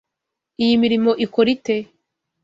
Iyi mirimo ikora ite?